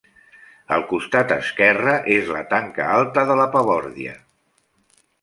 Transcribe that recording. El costat esquerre és la tanca alta de la Pabordia.